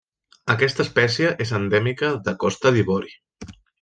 Aquesta espècie és endèmica de Costa d'Ivori.